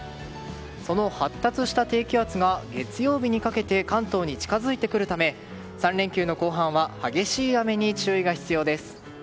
その発達した低気圧が月曜日にかけて関東に近づいてくるため３連休の後半は激しい雨に注意が必要です。